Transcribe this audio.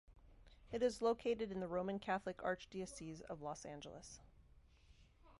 It is located in the Roman Catholic Archdiocese of Los Angeles.